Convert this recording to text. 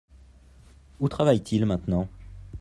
Où travaille-t-il maintenant ?